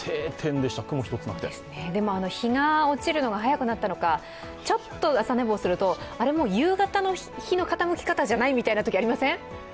でも、日が落ちるのが早くなったのか、ちょっと朝寝坊するとあれ、もう夕方の日の傾き方じゃない？ってときがありません？